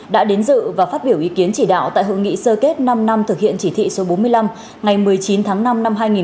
đã đến dự và phát biểu ý kiến chỉ đạo tại hội nghị sơ kết năm năm thực hiện chỉ thị số bốn mươi năm ngày một mươi chín tháng năm năm hai nghìn một mươi chín